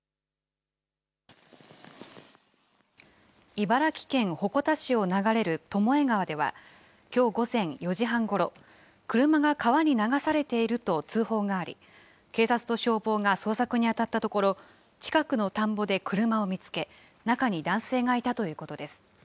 茨城県鉾田市を流れる巴川では、きょう午前４時半ごろ、車が川に流されていると通報があり、警察と消防が捜索にあたったところ、近くの田んぼで車を見つけ、中に男性がいたということです。